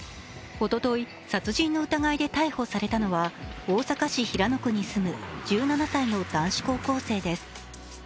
おととい殺人の疑いで逮捕されたのは大阪市平野区に住む１７歳の男子高校生です。